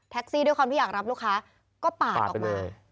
ซี่ด้วยความที่อยากรับลูกค้าก็ปาดออกมา